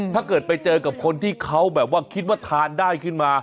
ถ้าเกิดไปเจอกับคนที่เขาแบบว่าคิดว่าทานได้ขึ้นมา